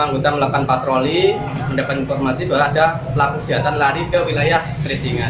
anggota melakukan patroli mendapat informasi bahwa ada pelaku kejahatan lari ke wilayah keritingan